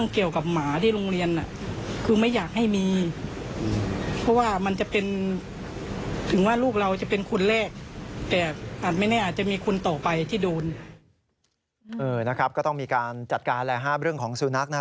ก็ต้องมีการจัดการเรื่องของสุนัขนะครับผู้ปกครองเขาก็กลัวนะครับ